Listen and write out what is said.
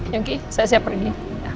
yungki saya siap pergi